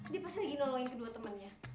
dia pasti lagi nolongin kedua temannya